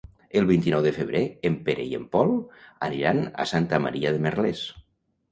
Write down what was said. El vint-i-nou de febrer en Pere i en Pol aniran a Santa Maria de Merlès.